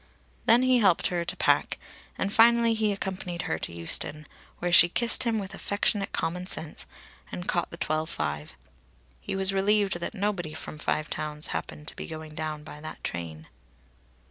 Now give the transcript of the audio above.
Then he helped her to pack, and finally he accompanied her to Euston, where she kissed him with affectionate common sense and caught the twelve five. He was relieved that nobody from the Five Towns happened to be going down by that train.